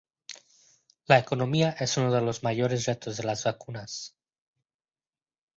La economía es uno de los mayores retos de las vacunas.